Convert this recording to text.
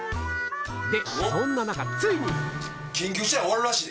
でそんな中ついに！